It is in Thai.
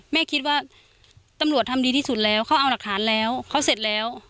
แม่คิดว่าตำรวจทำดีที่สุดแล้วเขาเอาหลักฐานแล้วเขาเสร็จแล้ว